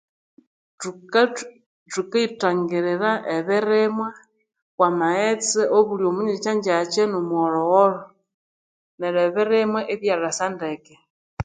Tukithangirira ebirimwa amaghetse omwanjakya no mwegholho